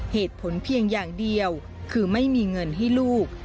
เหตุผลเพียงอย่างเดียวคือไม่มีเงินให้ลูก